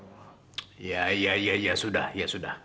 ya ya ya ya ya sudah ya sudah